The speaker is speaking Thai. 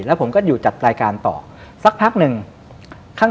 แล้วผมก็อยู่จัดรายการต่อสักพักหนึ่งข้าง